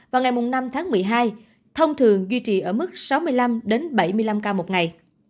vào ngày năm tháng một mươi hai thông thường duy trì ở mức sáu mươi năm bảy mươi năm ca một ngày